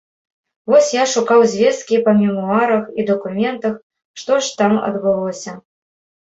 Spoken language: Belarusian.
Вось я шукаў звесткі па мемуарах і дакументах, што ж там адбылося.